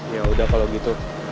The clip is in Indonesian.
yaudah kalau gitu